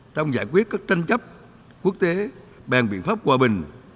trong giải quyết các tranh chấp quốc tế bàn biện pháp hòa bình